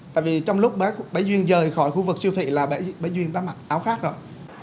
tại vì trong lúc bác duyên rời khỏi khu vực siêu thị là bảy duyên đã mặc áo khác rồi